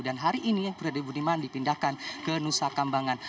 dan hari ini freddy budiman dipindahkan ke nusa kampangan